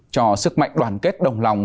cho sức mạnh đoàn kết đồng lòng